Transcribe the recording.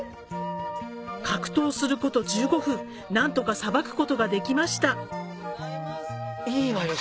格闘すること１５分何とかさばくことができましたいいわよ